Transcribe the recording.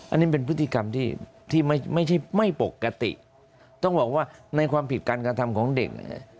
อันนี้เป็นพฤติกรรมที่ไม่ใช่ไม่ปกติต้องบอกว่าในความผิดการกระทำของเด็กเนี่ย